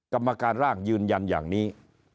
กรรมการร่างยืนยันอย่างนี้